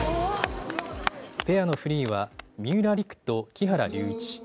ペアのフリーは、三浦璃来と木原龍一。